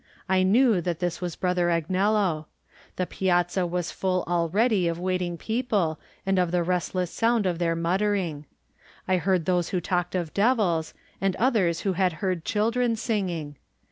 I knew that this was Brother Agnello. The piazza was full already of waiting people and of the restless 78 Digitized by Google THE NINTH MAN sound of their muttering. I heard those who talked of devils and others who had heard children singing.